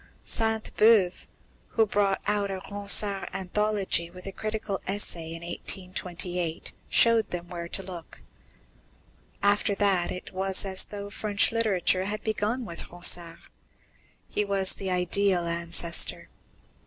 Sainte Beuve, who brought out a Ronsard anthology with a critical essay in 1828, showed them where to look. After that, it was as though French literature had begun with Ronsard. He was the "ideal ancestor."